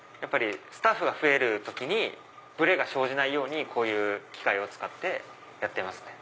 スタッフが増える時にブレが生じないようにこういう機械を使ってやってます。